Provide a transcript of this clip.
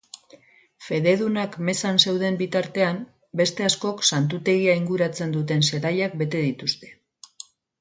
Fededunak mezan zeuden bitartean, beste askok santutegia inguratzen duten zelaiak bete dituzte.